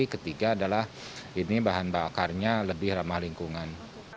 ketiga adalah ini bahan bakarnya lebih ramah lingkungan